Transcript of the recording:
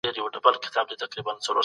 هغه توکي چې کيفيت لري ژر خرڅیږي.